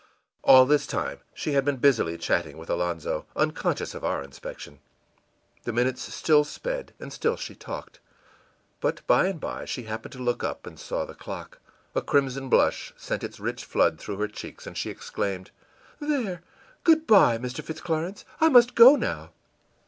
All this time she had been busily chatting with Alonzo, unconscious of our inspection. The minutes still sped, and still she talked. But by and by she happened to look up, and saw the clock. A crimson blush sent its rich flood through her cheeks, and she exclaimed: ìThere, good by, Mr. Fitz Clarence; I must go now!